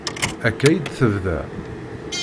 Akka i d-tebda.